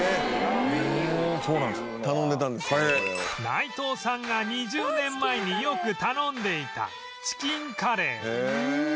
内藤さんが２０年前によく頼んでいたチキンカレー